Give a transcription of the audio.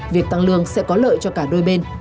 việc tăng lương sẽ có lợi cho cả đôi bên